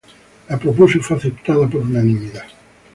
Lo propuso y fue aceptado por unanimidad.